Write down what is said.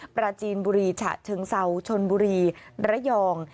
ปราจีนบุรีฉะเชิงเศร้าชนบุรีระยอง